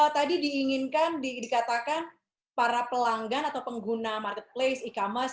tadi diinginkan dikatakan para pelanggan atau pengguna marketplace e commerce